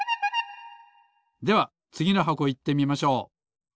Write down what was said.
ではつぎのはこいってみましょう。